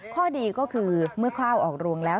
ข้อดีก็คือเมื่อข้าวออกรวงแล้ว